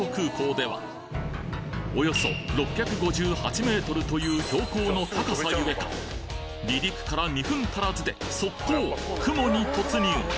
およそ６５８ｍという標高の高さゆえか離陸から２分足らずで即行雲に突入！